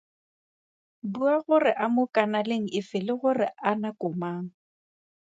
Bua gore a mo kanaleng efe le gore a nako mang?